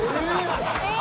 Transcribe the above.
えっ？